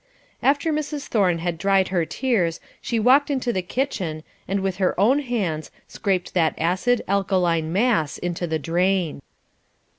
After Mrs. Thorne had dried her tears she walked to the kitchen, and with her own hands scraped that acid, alkaline mess into the drain.